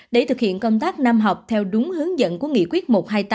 để thực hiện công tác năm học theo đúng hướng dẫn của nghị quyết một trăm hai mươi tám